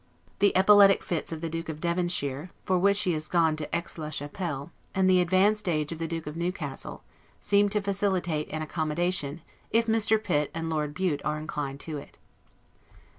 The death of poor Mr. Legge, the epileptic fits of the Duke of Devonshire, for which he is gone to Aix la Chapelle, and the advanced age of the Duke of Newcastle, seem to facilitate an accommodation, if Mr. Pitt and Lord Bute are inclined to it.